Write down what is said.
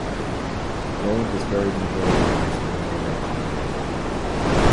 Rowland was buried in the village and there is a memorial column to him.